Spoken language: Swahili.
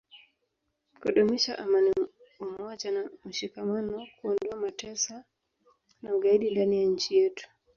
kudumisha amani umoja na mshikamano kuondoa matesa na ugaidi ndani ya nchi yetu